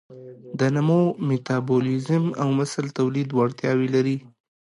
د نمو، میتابولیزم او مثل تولید وړتیاوې لري.